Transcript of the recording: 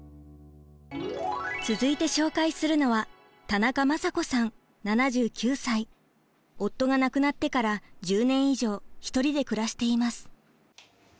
続いて紹介するのは夫が亡くなってから１０年以上一人で暮らしています。